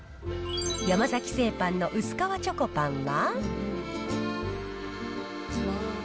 山崎製パンの薄皮チョコパンは。